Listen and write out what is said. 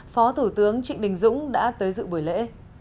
phó thủ tướng trịnh đình dũng đã tới dự buổi lễ